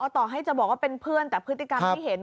ต่อให้จะบอกว่าเป็นเพื่อนแต่พฤติกรรมที่เห็น